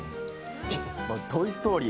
「トイ・ストーリー」